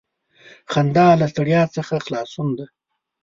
• خندا له ستړیا څخه خلاصون دی.